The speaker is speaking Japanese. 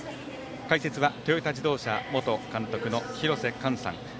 解説はトヨタ自動車元監督の廣瀬寛さん。